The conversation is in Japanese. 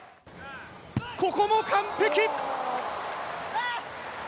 ここも完璧！